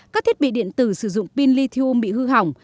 các thiết bị điện tử sử dụng pin lithium bị hư hỏng